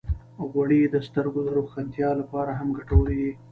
غوړې د سترګو د روښانتیا لپاره هم ګټورې دي.